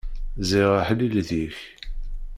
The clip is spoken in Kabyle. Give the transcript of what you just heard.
Ziɣ aḥlil deg-k!